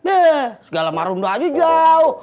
eh segala marunda aja jauh